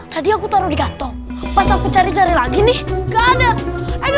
tadi aku taruh di kantong pas aku cari cari lagi nih gak ada